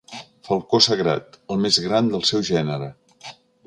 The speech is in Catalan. Falcó sagrat, el més gran del seu gènere.